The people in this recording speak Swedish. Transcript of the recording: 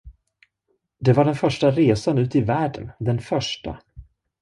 Det var den första resan ut i världen, den första.